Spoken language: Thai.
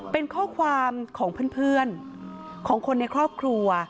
เป็นข้อความของเพื่อนของคนในครอบครัว